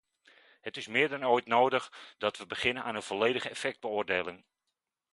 Het is meer dan ooit nodig dat we beginnen aan een volledige effectbeoordeling.